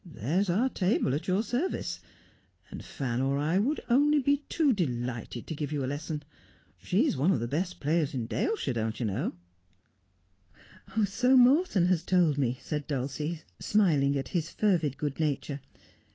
There's our table at your service ; and Fan or I would only be too delighted to give you a lesson. She's one of the best players in Daleshire, don't you know 1 '' So Morton has told me,' said Dulcie, smiling at his fervid good nature.